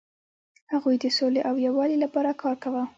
هغوی د سولې او یووالي لپاره کار کاوه.